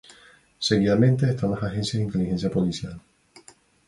Seguidamente, están las agencias de inteligencia policial.